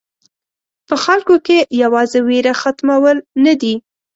په خلکو کې یوازې وېره ختمول نه دي.